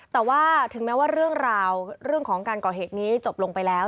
แต่ว่าถึงแม้ว่าเรื่องราวเรื่องของการก่อเหตุนี้จบลงไปแล้ว